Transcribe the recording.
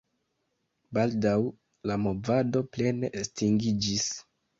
Baldaŭ la movado plene estingiĝis.